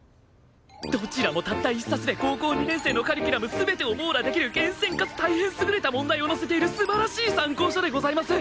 どちらもたった１冊で高校２年生のカリキュラム全てを網羅できる厳選かつ大変優れた問題を載せている素晴らしい参考書でございます。